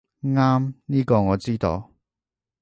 啱，呢個我知道